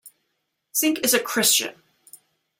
Cink is a Christian.